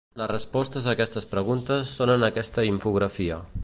Les respostes a aquestes preguntes són en aquesta infografia.